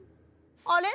あれ？